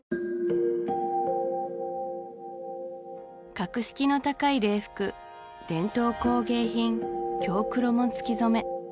格式の高い礼服伝統工芸品京黒紋付染